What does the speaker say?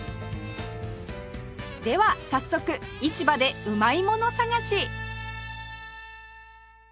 では早速市場でうまいもの探し